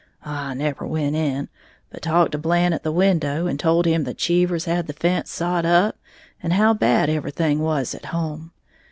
I never went in, but talked to Blant at the window, and told him the Cheevers had the fence sot up, and how bad everything was at home.